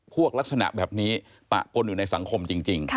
ลักษณะแบบนี้ปะปนอยู่ในสังคมจริง